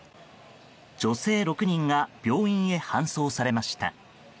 女性６人が病院へ搬送されました。